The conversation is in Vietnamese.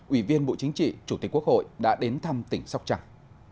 ủy viên bộ chính trị chủ tịch quốc hội đã đến thăm tỉnh sóc trăng